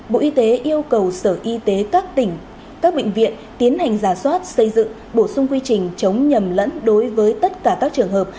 bộ y tế yêu cầu sở y tế các tỉnh các bệnh viện tiến hành giả soát xây dựng bổ sung quy trình chống nhầm lẫn đối với tất cả các trường hợp